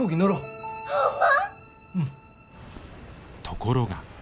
ところが。